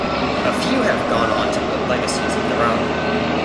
A few have gone on to build legacies of their own.